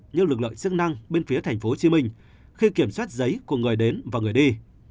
như lực lượng chức năng bên phía tp hcm khi kiểm soát giấy của người đến và người đi